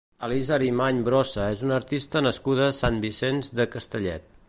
Elisa Arimany Brossa és una artista nascuda a Sant Vicenç de Castellet.